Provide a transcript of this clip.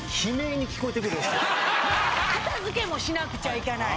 片付けもしなくちゃいけない。